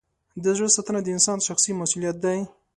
د زړه ساتنه د انسان شخصي مسؤلیت دی.